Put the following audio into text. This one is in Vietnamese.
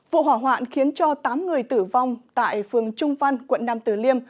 vụ hỏa hoạn khiến cho tám người tử vong tại phường trung văn quận năm từ liêm